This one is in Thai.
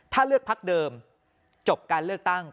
ถ้าเลือกพักเดิมจบการเลือกตั้ง